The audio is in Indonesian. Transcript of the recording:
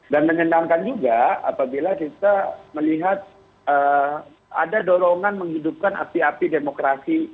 dan menyenangkan juga apabila kita melihat ada dorongan menghidupkan api api demokrasi